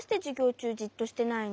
ちゅうじっとしてないの？